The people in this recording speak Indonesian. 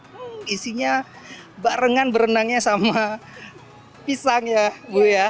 hmm isinya barengan berenangnya sama pisang ya bu ya